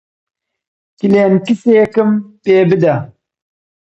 کلێنکسێکم پێ بدە.